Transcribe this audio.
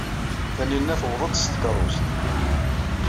Tanina tuweḍ-d s tkeṛṛust.